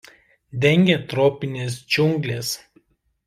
Dengia tropinės džiunglės.